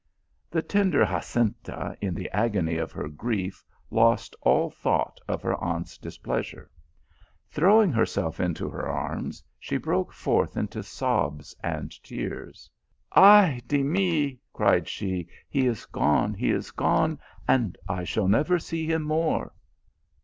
The tender Jacinta in the agony of her grief lost all thought of her aunt s displeasure. Throwing her self into her arms, she broke forth into sobs and tears, "Ay di mi !" cried she, " he is gone ! he is gone ! and I shall never see him more."